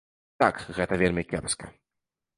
Так, гэта вельмі кепска.